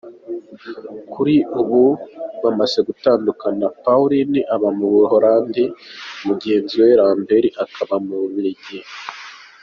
Kuri ubu bamaze gutandukana Paulin aba mu Buhorandi mugenzi we Lambert akaba mu Bubiligi.